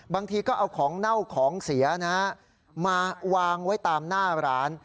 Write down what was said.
บางทีก็เอาของเน่าของเสียนะฮะมาวางไว้ตามหน้าร้าน